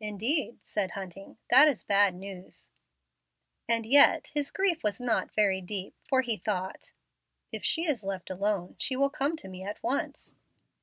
"Indeed!" said Hunting, "that is bad news;" and yet his grief was not very deep, for he thought, "If she is left alone she will come to me at once."